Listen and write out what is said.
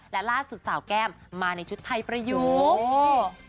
และล่าสุดสาวแก้มมาในชุดไทยประยุกต์